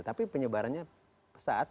tapi penyebarannya pesat